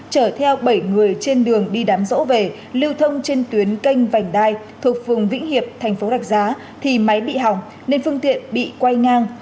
chở theo bảy người trên đường đi đám rỗ về lưu thông trên tuyến kênh vành đai thuộc phường vĩnh hiệp tp đặc giá thì máy bị hỏng nên phương tiện bị quay ngang